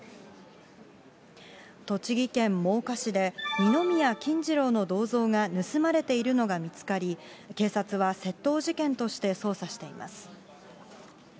栃木県真岡市で、二宮金次郎の銅像が盗まれているのが見つかり、警察は窃盗事件として捜査しています。